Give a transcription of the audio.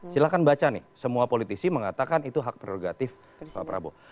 silahkan baca nih semua politisi mengatakan itu hak prerogatif pak prabowo